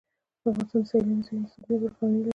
افغانستان د سیلاني ځایونو د ساتنې لپاره قوانین لري.